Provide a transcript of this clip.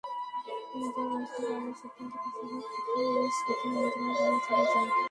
মুদ্রা রহিতকরণের সিদ্ধান্তে বেশির ভাগ ক্ষেত্রে মূল্যস্ফীতি নিয়ন্ত্রণের বাইরে চলে যায়।